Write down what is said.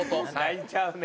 泣いちゃうね。